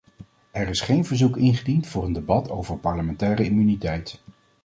Er is geen verzoek ingediend voor een debat over parlementaire immuniteit.